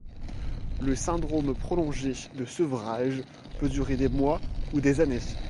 Le syndrome prolongé de sevrage peut durer des mois ou des années.